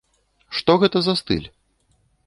Што гэта за стыль?